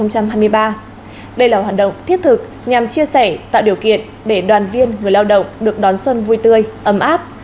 đây là hoạt động thiết thực nhằm chia sẻ tạo điều kiện để đoàn viên người lao động được đón xuân vui tươi ấm áp